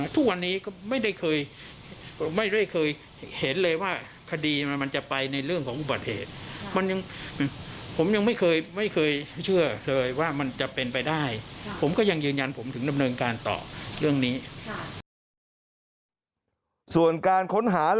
ส่วนการค้นหาหลักฐานลับของนายสันทนาเนี่ยนะ